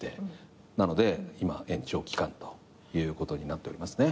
なので今延長期間ということになっておりますね。